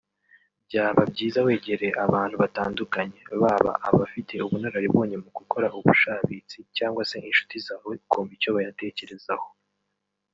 byaba byiza wegereye abantu batandukanye baba abafite ubunararibonye mu gukora ubushabitsi cyangwa se inshuti zawe ukumva icyo bayatekerezaho